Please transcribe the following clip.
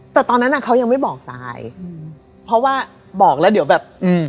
แต่ตอนนั้นอ่ะเขายังไม่บอกตายอืมเพราะว่าบอกแล้วเดี๋ยวแบบอืม